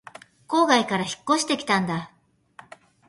郊外から引っ越してきたんだ